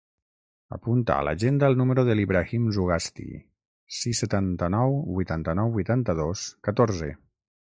Apunta a l'agenda el número de l'Ibrahim Zugasti: sis, setanta-nou, vuitanta-nou, vuitanta-dos, catorze.